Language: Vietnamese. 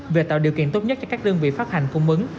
về tạo điều kiện tốt nhất cho các đơn vị phát hành phung mứng